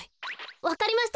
わかりました。